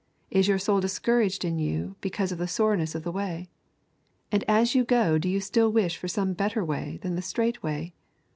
Is your soul discouraged in you because of the soreness of the way? And as you go do you still wish for some better way than the strait way?